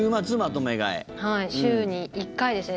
はい、週に１回ですね。